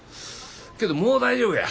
けどもう大丈夫や。